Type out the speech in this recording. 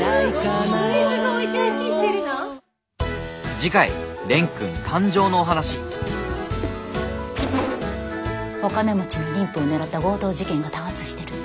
次回蓮くん誕生のお話お金持ちの妊婦を狙った強盗事件が多発してるって。